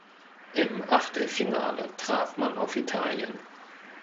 Im Achtelfinale traf man auf Italien.